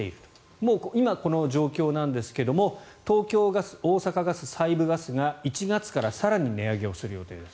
もう今、この状況なんですが東京ガス、大阪ガス、西部ガスが１月から更に値上げをする予定です。